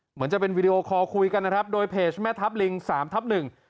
เหมือนจะเป็นวีดีโอคอลคุยกันนะครับโดยเพจแม่ทัพลิงสามทับหนึ่ง